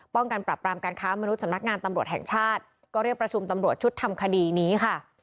การปรับปรามการค้ามนุษย์สำนักงานตำรวจแห่งชาติก็เรียกประชุมตำรวจชุดทำคดีนี้ค่ะ